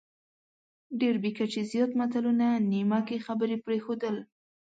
ډېر بې کچې زیات متلونه، نیمه کې خبرې پرېښودل،